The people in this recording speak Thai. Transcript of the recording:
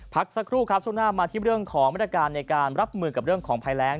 พักสักครู่ครับช่วงหน้ามาที่เรื่องของมาตรการในการรับมือกับเรื่องของภัยแรง